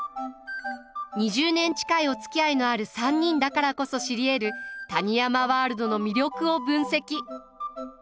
２０年近いおつきあいのある３人だからこそ知りえる谷山ワールドの魅力を分析！